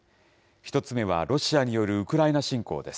１つ目は、ロシアによるウクライナ侵攻です。